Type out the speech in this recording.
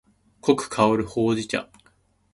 濃く香るほうじ茶